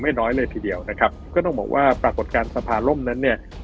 น้อยเลยทีเดียวนะครับก็ต้องบอกว่าปรากฏการณ์สภาล่มนั้นเนี่ย